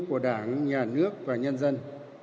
của đảng nhà nước và nhân dân